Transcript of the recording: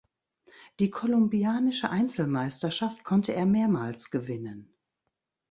Die kolumbianische Einzelmeisterschaft konnte er mehrmals gewinnen.